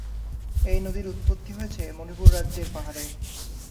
এই নদীর উৎপত্তি হয়েছে মণিপুর রাজ্যের পাহাড়ে।